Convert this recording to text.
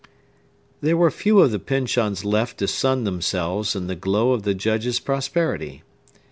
There were few of the Pyncheons left to sun themselves in the glow of the Judge's prosperity.